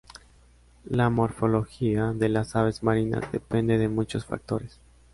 La morfología de las aves marinas depende de muchos factores.